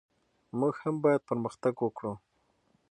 موږ هم باید پرمختګ وکړو.